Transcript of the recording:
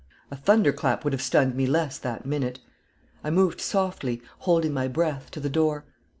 A thunderclap would have stunned me less that minute. I moved softly, holding my breath, to the door.